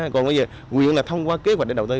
còn bây giờ quyền là thông qua kế hoạch để đầu tư